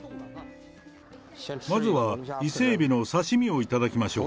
まずは伊勢エビの刺身を頂きましょう。